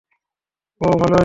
ওহ, ভালোই।